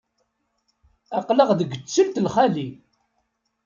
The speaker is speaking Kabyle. Aql-aɣ deg ttelt lxali.